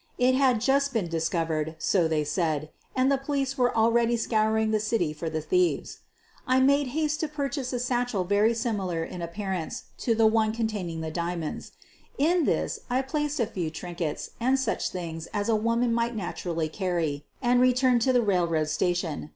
It had just been dis covered, so they said, and the police were already scouring the city for the thieves. I made haste to purchase a satchel very similar in appearance to the one containing the diamonds. In this I placed a few trinkets and such things as a woman might naturally carry, and returned to the railroad station.